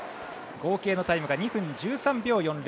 合計のタイムが２分１３秒４０。